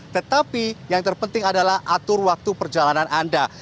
tetapi yang terpenting adalah atur waktu perjalanan anda